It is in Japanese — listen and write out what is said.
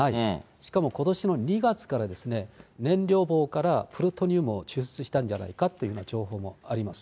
しかもことしの２月からですね、燃料棒からプルトニウムを抽出したんじゃないかという情報もあります。